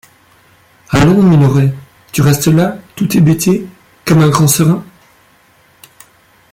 Allons, Minoret, tu restes là tout hébété comme un grand serin?